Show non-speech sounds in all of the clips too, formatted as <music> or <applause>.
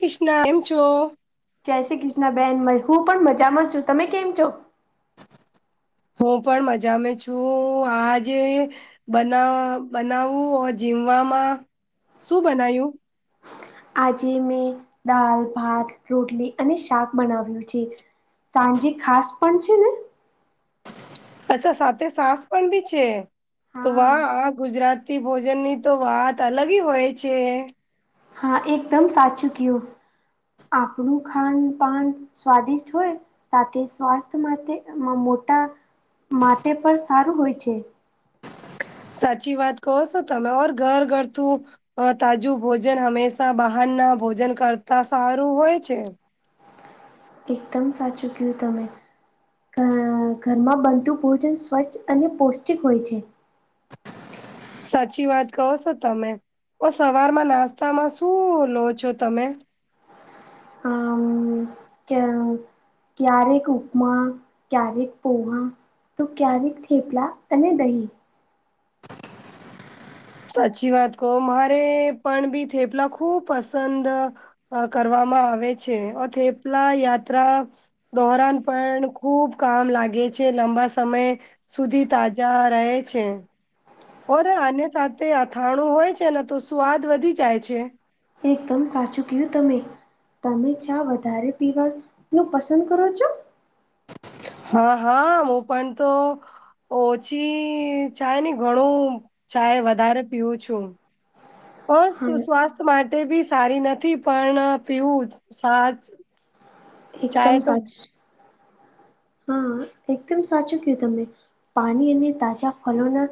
કૃષ્ણ એમ છો જય શ્રી કૃષ્ણબહેન હું પણ મજામાં છું તમે કેમ છો હું પણ મજામાં છું આજે બનાવ બનાવવું જીવવામાં શું બનાવું આજે મેં દાલ ભાત રોટલી અને શાક બનાવ્યું છે. સાંજે ખાસ પણ છે ને અચ્છા સાથે સાસ પણ બી છે તો હા વાહ આ ગુજરાત તી ભોજન ની તો વાત અલગ હ હોય છે. હા એકદમ સાચું કયું આપણું ખાનપાન સ્વાદિષ્ટ હોય. સાથે સ્વાસ્થ્ય માટે મોટા માટે પણ સારું હોય છે. સાચી વાત કહો છો તમે ઓર ઘર ઘર તું અ તાજું ભોજન હંમેશા બહાર ના ભોજન કરતા સારું હોય છે. એકદમ સાચું કયું તમે ઘ ઘરમાં બનતું ભોજન સ્વચ્છ અને પૌષ્ટિક હોય છે. સાચી વાત કહો છો તમે ઓ સવારમાં નાસ્તામાં શું લો છો તમે આમ કે ક્યારેક ઉપમા ક્યારેક પોહ તો ક્યારેક થેપલા અને દહીં સાચી વાત કહો મારે પણ બી થેપલા ખુબ પસંદ અ કરવામાં આવે છે થેપલા યાત્રા ધોરાણ પણ ખુબ કામ લાગે છે લંબા સમય સુધી તાજા રહે છે. ઓરે આની સાથે અથાણું હોય છે ને તો સ્વાદ વધી જાય છે. એકદમ સાચું કું તમે તમે ચા વધારે પીવાનું પસંદ કરો છો. હા હા હું પણ તો ઓછી ચાય ને ઘણું ચાય વધારે પીવું છું. હા બસ સ્વાસ્થ માટે બી સારી નથી પણ પીવું સાચ એકદમ ચાય તો સાચ હા એકદમ સાચું કયું તમે પાણી અને તાજા ફળના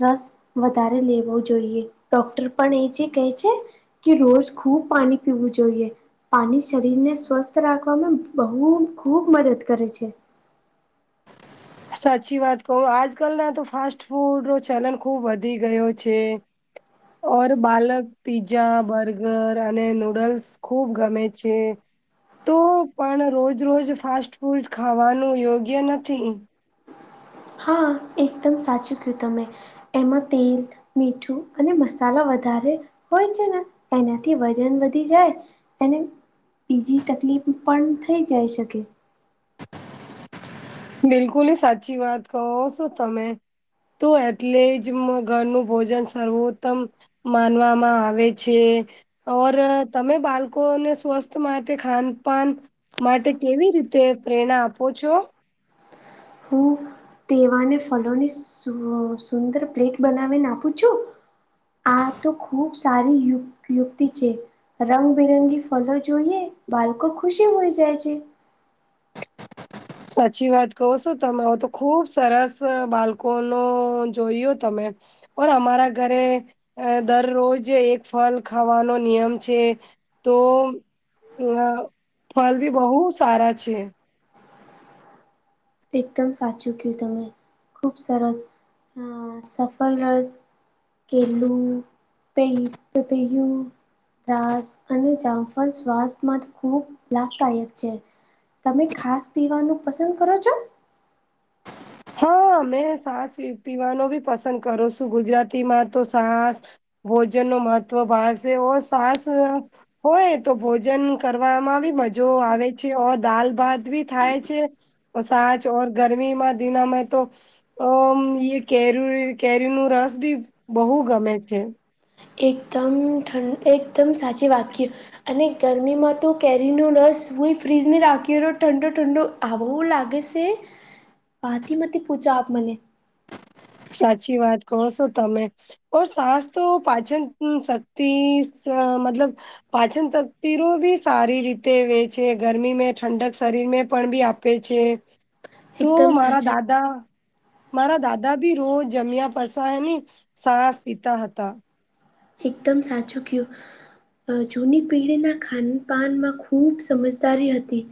રસ વધારે લેવો જોઈએ ડોક્ટર પણ એ જે કહે છે. કે રોજ ખૂબ પાણી પીવું જોઈએ પાણી શરીર ને સ્વસ્થ રાખવાવામાં બહુ ખૂબ મદદ કરે છે. <inaudible> સાચી વાત કહું આજ કલ ના તો ફાસ્ટ ફૂડ નો ચલન ખુબ વધી ગયો છે. ઓર બાલક પીઝા બર્ગર અને નુડલ્સ ખુબ ગમે છે. તો પણ રોજ રોજ ફાસ્ટ ફૂડ ખાવાનું યોગ્ય નથી હા એકદમ સાચું કું તમે એમાં તેલ મીઠું અને મસાલા વધારે હોય છે ને એનાથી વજન વધી જાય અને બીજી તકલીફ પણ થઈ જાય શકે બિલકુલ સાચી વાત કહો છો તમે તો એટલે જ ઘરનું ભોજન સર્વોત્તમ માનવામાં આવે છે. ઓર તમે બાળકોને સ્વસ્થ માટે ખાન પાન માટે કેવી રીતે પ્રેરણા આપો છો. હું તેવાને ફલોની સુંદર પ્લેટ બનાવીને આપું છું. આ તો ખુબ સારી યુ યુક્તિ છે. રંગબિરંગી ફલો જોઈએ બાળકો ખુશી હોય જાય છે. સાચી વાત કહો છો તમે તો ખુબ સરસ બાળકો ન જોયો તમે ઓ અમારા ઘરે દરરોજ એક ફલ ખાવાનો નિયમ છે. તો અ ફળ બી બહુ સારા છે. એકદમ સાચું કીધુ ખૂબ સરસ સફળ રસ કેલુ પે પપૈયુ દ્રાક્ષ અને જામફળ સ્વાસ્થ માટે ખૂબ લાભદાયક હોય છે. તમે ખાસ પીવાનું પસંદ કરો છો. હા મેં સાસ પીવાનો બી પસંદ કરો છું ગુજરાતીમાં તો સાસ ભોજન ન મહત્વ ભાગ છે, ઓ સાસ હોય તો ભોજન કરવામાં બી મજો આવે છે ઓ દાલ ભાત બી થાય છે. ઓ સાચ ઓ ગરમીમાં દિના મે તો અમ કેરી કેરી ન રસ બી બહુ ગમે છે. એકદમ ઠંડ એકદમ સાચી વાત કી અને ગરમીમાં તો કેરીનો રસ હું એ ફ્રીજને રાખીલો ઠંડો ઠંડો આવું લાગે છે ભથીમાંથી પૂછો આપ મને સાચી વાત કહો છો તમે ઓ સાસ તો પાચન શક્તિ મતલબ પાચન તકતિરો બી સારી રીતે વે છે ગરમી મે ઠંડક શરીર પણ બી આપ છે તો એકદમ મારા સાચા દાદા મારા દાદા દા બી રોજ જમ્યા પસા એની સાસ પીતા હતા. એકદમ સાચુ કયો જૂની પેઢીના ખાનપાનમાં ખૂબ સમજદારી હતી.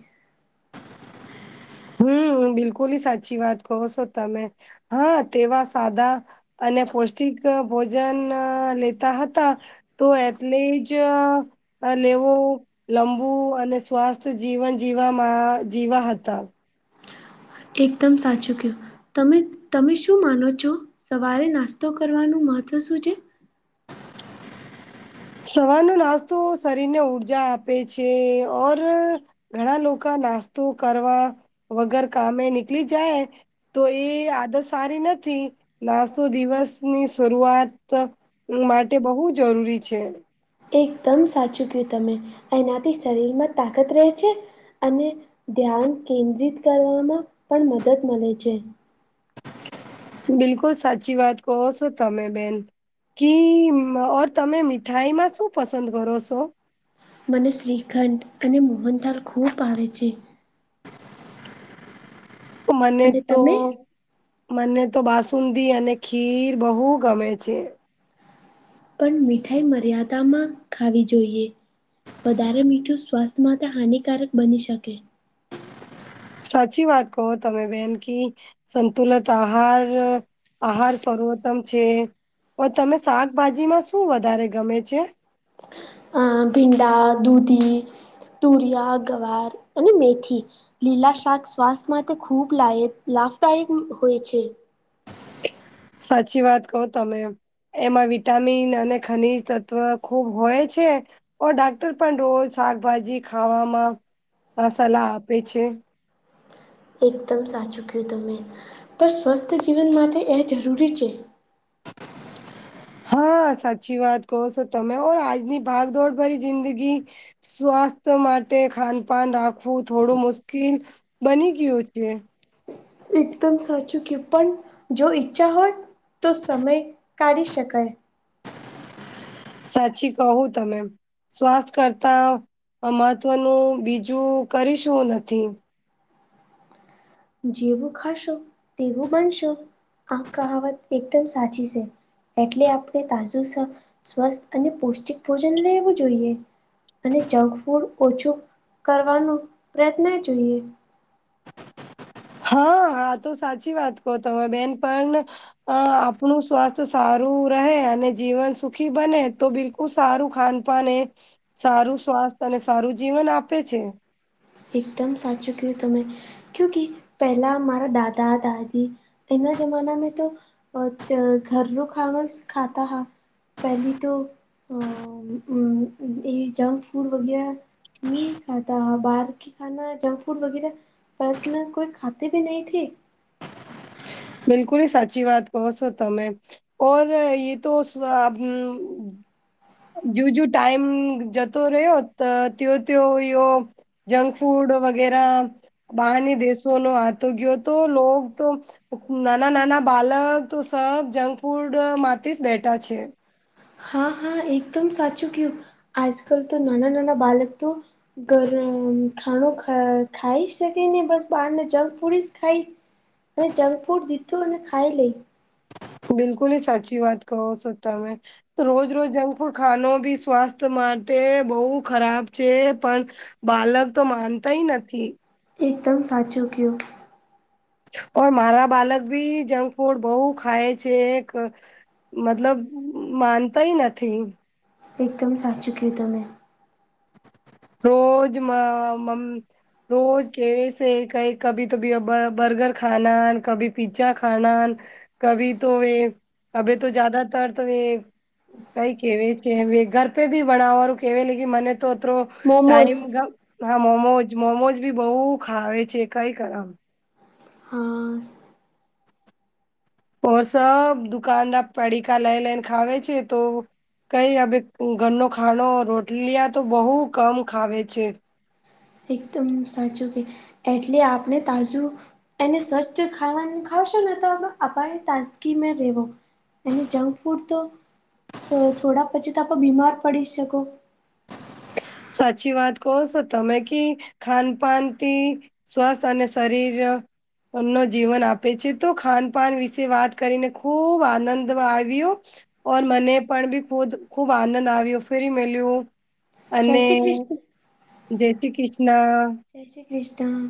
હમ બિલકુલ સાચી વાત કહો છો તમે હા તેવા સાદા અને પૌષ્ટિક ભોજન લેતા હતા. તો એટલે જ લેવો લંબુ અને સ્વાસ્થ જીવન જીવામાં જીવા હતા. એકદમ સાચુ કયુ તમે તમે શું માનો છો સવારે નાસ્તો કરવાનું મહત્ત્વ શું છે. સવાર નો નાસ્તો શરીર ને ઊર્જા આપે છે, ઓર ઘણા લોકો નાસ્તો કરવા વગર કામે નીકળી જાય. તો એ આદત સારી નથી નાસ્તો દિવસ ની શરૂઆત માટે બહુ જરૂરી છે. એકદમ સાચુ કયુ તમે એનાથી શરીરમાં તાકત રહે છે. અને ધ્યાન કેન્દ્રિત કરવામાં પણ મદદ મળે છે. બિલકુલ સાચી વાત કહો છો તમે બેન કી ઓર તમે મીઠાઈમાં શું પસંદ કરો છો. મને શ્રીખંડ અને મોહનથલ ખૂબ ભાવે છે. મને અને તો તમે? મને તો બાસુંદી અને ખીર બહુ ગમે છે. પણ મીઠાઈ મર્યાદામાં ખાવી જોઈએ. વધારે મીઠું સ્વાસ્થ્ય માટે હાનિકારક બની શકે સાચી વાત કહો તમે બેન કી સંતુલિત આહાર આહાર સર્વોત્તમ છે. ઓ તમે શાકભાજીમાં શું વધારે ગમે છે. અ ભીંડા દૂધી તુરિયા ગવાર અને મેથી લીલા શાક સ્વાસ્થ્ય માટે ખૂબ લાય લાભદાયક હોય છે. સાચી વાત કહો તમે એમાં વિટામિન અને ખનીજ તત્વ ખૂબ હોય છે. ઓ ડાક્ટર પણ રોજ શાકભાજી ખાવામાં સલાહ આપે છે. એકદમ સાચું કહું તમે પણ સ્વસ્થ જીવન માટે એ જરૂરી છે. <unintelligible> હા, સાચી વાત કહો છો તમે. ઓ આજની ભાગ દોડ ભરી જિંદગી સ્વાસ્થ્ય માટે ખાનપાન રાખવું થોડું મુશ્કેલ બની ગયું છે. એકદમ સાચું કહે, પણ જો ઈચ્છા હોય. તો સમય કાઢી શકાય. <unintelligible> સાચું કહ્યું તમે. સ્વાસ્થ્ય કરતાં મહત્ત્વનું બીજું કરીશું નથી. જેવું ખાશો તેવું માનશો, આ કહાવત એકદમ સાચી છે. એટલે આપણે તાજું સ્વસ્થ અને પૌષ્ટિક ભોજન લેવું જોઈએ. અને જંક ફૂડ ઓછું કરવાનો પ્રયત્ન જોઈએ. હા, હા, તો સાચી વાત કહી, તમે બેન પણ. અ આપણું સ્વાસ્થ્ય સારું રહે અને જીવન સુખી બને, તો બિલકુલ. એ સારું ખાનપાન, એ સારું સ્વાસ્થ્ય અને સારું જીવન આપે છે. એકદમ સાચું કહ્યું તમે. કુકી, પહેલા મારા દાદા-દાદી એના જમાનામાં તો ધરનુ જ ખાવાનું ખાતા. પહેલી તો અ એ જંક ફૂડ વગેરે ની ખાતા હ બહાર. અને જંક ફૂડ વગેરે પરતના કોઈ ખાતે ભ નહી થી. બિલકુલ, એ સાચી વાત. બહુ સો ટકા, મેં ઓ એ તો. જુ, જ ટાઈમ જતો રહ્યો, ત તે તે યો. <unintelligible> જંક ફૂડ વગેરા બહારની દેશો નો આતો ગયો, તો લો તો. નાના-નાના બાલક તો સબ જંક ફૂડ માંથી જ બેઠા છે. હા, હા, એકદમ સાચું કહ્યું, આજકલ તો નાના-નાના બાળક તો ગરમ ખાણું ખાઈ શકે ને, બસ બહારને જંક ફૂડ જ ખાય. અને જંક ફૂડ દીધો અને ખાઈ લઈ. બિલકુલ, સાચી વાત કહો છો તમે. રોજ-રોજ જંક ફૂડ ખાનો બી સ્વાસ્થ માટે બહુ ખરાબ છે, પણ બાલક તો માનતાય નથી. એકદમ સાચું. ઓ મારા બાલક ભી જંક ફૂડ બહુ ખાય છે. મતલબ માનતાય નથી. એકદમ સાચું કીધું તમે. રોજ મા મમ. રોજ કેસે ક કભી તો બર્ગર ખા કભી પિ્જા ખાના <unintelligible> કભી તો એ કભી તો જ્યાદાતર તો એ. <unintelligible> કઈ કેવા છે, ઘર પે ભી બનાવવાનું કેવાય મને તો. મોમોઝ ટાઈમ હા, મોમોજ મોમોજ બી બહુ ખાવે છે, કંઈ કરમ. હા. ઓ સબ દુકાન ના પડીકા લઈ લઈને ખાવે છે તો. કઈ હવે ઘરનો ખાણો રોટલી તો બહુ કમ ખાવે છે. એકદમ સાચું કે. એટલે આપણે તાજું. એને સ્વચ્છ ખાવા ખાવશે ને, તો આપ તાજગીમાં રેવો. અને જંક ફૂડ તો, થોડા પછી, તો આપ બીમાર પડી શકો. સાચી વાત કહો છો તમે કે, ખાનપાનથી સ્વાસ્થ અને શરીર. ન જીવન આપે છે. તો, ખાનપાન વિશે વાત કરીને ખૂબ આનંદ આવ્યો. ઓર મને પણ બી ખૂદ ખૂબ આનંદ આવ્યો ફરી મેલ્યું. જય અને શ્રી કૃષ્ણ જય શ્રી કૃષ્ણ. જય શ્રી કૃષ્ણ.